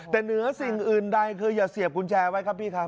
แต่เหนือสิ่งอื่นใดคืออย่าเสียบกุญแจไว้ครับพี่ครับ